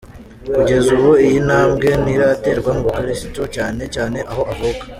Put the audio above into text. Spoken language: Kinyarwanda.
Kugeza ubu iyi ntambwe ntiraterwa mu bakirisitu cyane cyane aho avuka.